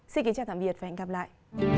xin kính chào tạm biệt và hẹn gặp lại